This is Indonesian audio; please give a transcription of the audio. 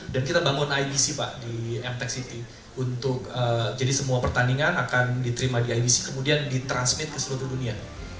dan kita bangun ibc di m tec city jadi semua pertandingan akan diterima di ibc kemudian ditransmit ke seluruh dunia